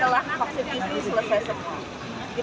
telah membuat kebijakan yang mengizinkan masyarakat untuk mudik